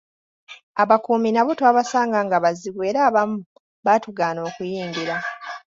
Abakuumi nabo twabasanga nga bazibu era abamu baatugaana okuyingira.